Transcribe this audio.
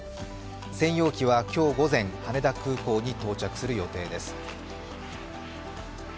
専用機は今日午前、羽田空港に到着する予定です。